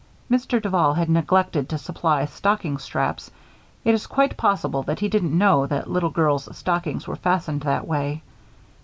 Mr. Duval had neglected to supply stocking straps. It is quite possible that he didn't know that little girls' stockings were fastened that way.